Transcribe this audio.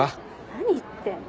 何言ってんの？